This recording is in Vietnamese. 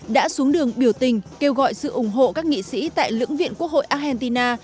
đã xuống đường biểu tình kêu gọi sự ủng hộ các nghị sĩ tại lưỡng viện quốc hội argentina